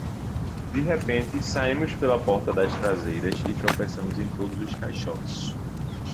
de repente saímos pela porta das traseiras e tropeçamos em todos os caixotes